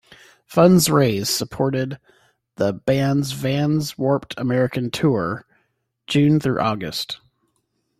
Funds raised supported the bands Vans Warped American tour, June through August.